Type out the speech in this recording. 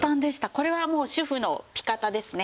これはもう「主婦のピカタ」ですね。